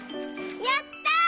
やった！